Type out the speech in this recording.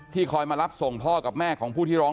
คอยมารับส่งพ่อกับแม่ของผู้ที่ร้อง